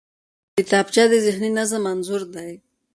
کتابچه د ذهني نظم انځور دی